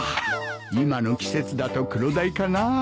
今の季節だとクロダイかなあ